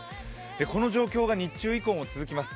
この状況が日中以降も続きます。